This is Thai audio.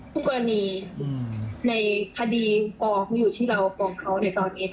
ผู้กรณีในคดีฟ้องอยู่ที่เราฟ้องเขาในตอนนี้